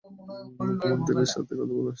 মুখ্যমন্ত্রির সাথে কথা বলো।